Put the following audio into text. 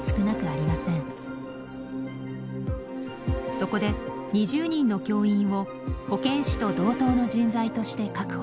そこで２０人の教員を保健師と同等の人材として確保。